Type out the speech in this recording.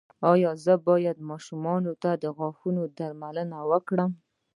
ایا زه باید ماشوم ته د غاښونو درمل ورکړم؟